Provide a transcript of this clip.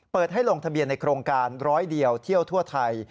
เปิดให้ลงทะเบียนในโครงการร้อยเดียวเที่ยวทั่วไทย